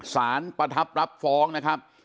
ประทับรับฟ้องนะครับ